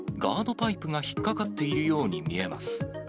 パイプが引っ掛かっているように見えます。